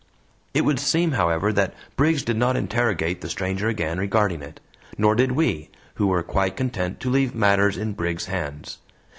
It would seem, however, that Briggs did not interrogate the stranger again regarding it, nor did we, who were quite content to leave matters in Briggs's hands.